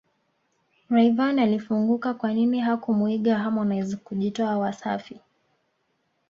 Rayvanny afunguka kwanini hakumuiga Harmonize kujitoa Wasafi